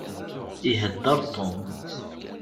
Iheddeṛ Tom.